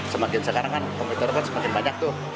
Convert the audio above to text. semakin sekarang kan komputer kan semakin banyak tuh